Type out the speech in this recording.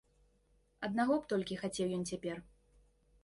Аднаго б толькі хацеў ён цяпер.